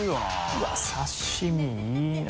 うわ刺し身いいな。